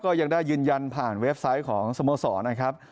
ยังได้ยืนยันผ่านเว็บไซต์ของสโมสรนะครับ